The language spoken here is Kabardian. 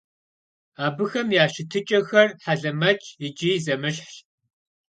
Abıxem ya şıtıç'exer helemetş yiç'i zemışhş.